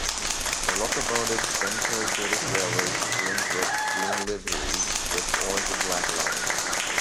The locomotives then carried British Railways Brunswick green livery with orange and black lining.